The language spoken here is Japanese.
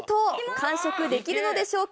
完食できるのでしょうか。